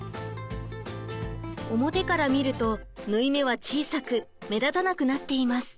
表から見ると縫い目は小さく目立たなくなっています。